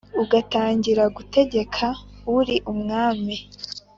ugatangira gutegeka uri umwami